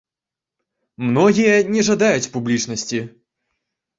Многія не жадаюць публічнасці.